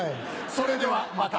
それではまた。